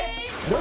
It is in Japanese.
何？